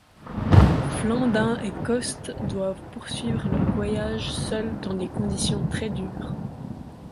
Flandin et Coste doivent poursuivre leur voyage seuls dans des conditions très dures.